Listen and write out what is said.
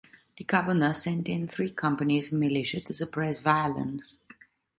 The governor sent in three companies of militia to suppress violence.